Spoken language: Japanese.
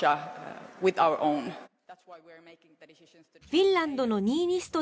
フィンランドのニーニスト